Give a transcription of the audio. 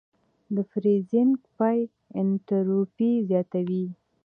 د فریزینګ پای انټروپي زیاتوي.